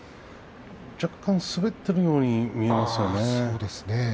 若干、滑っているように見えましたね。